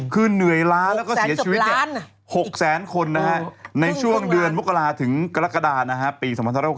คือเหนื่อยล้าแล้วก็เสียชีวิต๖แสนคนในช่วงเดือนมกราถึงกรกฎาปี๒๖๖